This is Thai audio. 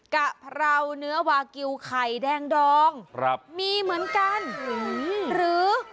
กะเพราเนื้อวากิลไข่แดงดองครับมีเหมือนกันหรือ